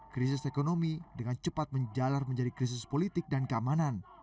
krisis ekonomi dengan cepat menjalar menjadi krisis politik dan keamanan